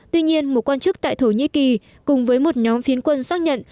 tuy nhiên một quan chức tại thổ nhĩ kỳ cùng với một nhóm phiến quân xác nhận